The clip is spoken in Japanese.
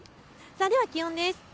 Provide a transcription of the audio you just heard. では気温です。